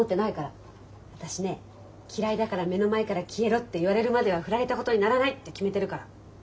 私ね嫌いだから目の前から消えろって言われるまでは振られたことにならないって決めてるから。